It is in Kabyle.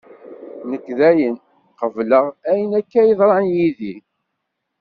Nekk dayen qebleɣ ayen akka d-yeḍran yid-i.